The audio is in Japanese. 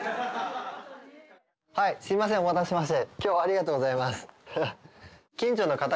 はいすいませんお待たせしまして。